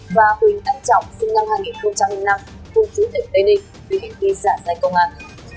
và huỳnh anh trọng sinh năm hai nghìn năm cùng chủ tịch tây ninh vì hệ kỳ giả dạy công an